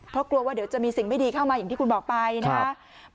เพราะกลัวว่าเดี๋ยวจะมีสิ่งไม่ดีเข้ามาอย่างที่คุณบอกไปนะครับ